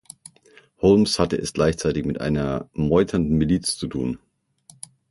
Holmes hatte es gleichzeitig mit einer meuternden Miliz zu tun.